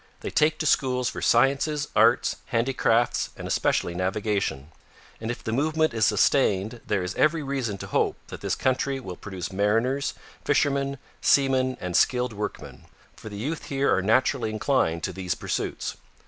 They take to schools for sciences, arts, handicrafts, and especially navigation; and if the movement is sustained there is every reason to hope that this country will produce mariners, fishermen, seamen, and skilled workmen; for the youth here are naturally inclined to these pursuits.